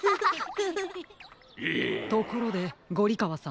ところでゴリかわさん。